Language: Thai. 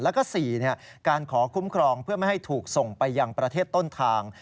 และ๔การขอคุ้มครองเพื่อไม่ทุกข์ส่งไปประเทศต้นทาง